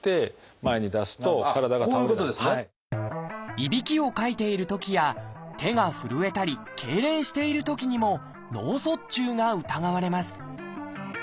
いびきをかいているときや手が震えたりけいれんしているときにも脳卒中が疑われます。